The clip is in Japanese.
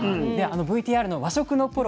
ＶＴＲの和食のプロ